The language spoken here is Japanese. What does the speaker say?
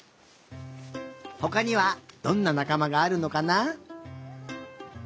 ほかにはどんななかまがあるのかな？